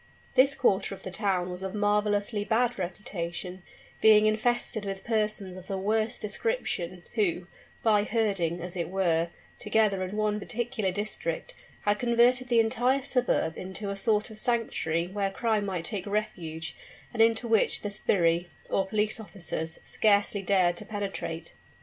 This quarter of the town was of marvelously bad reputation, being infested by persons of the worst description, who, by herding, as it were, together in one particular district, had converted the entire suburb into a sort of sanctuary where crime might take refuge, and into which the sbirri, or police officers, scarcely dared to penetrate.